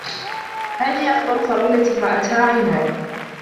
هذه أكبر فراولة رأتها عيناي.